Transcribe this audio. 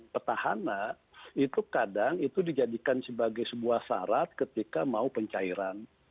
petahana itu kadang itu dijadikan sebagai sebuah syarat ketika mau pencairan